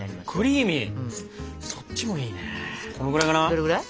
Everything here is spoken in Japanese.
どれぐらい？